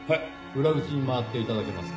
裏口に回って頂けますか？